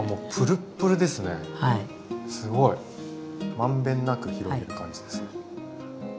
満遍なく広げる感じですね。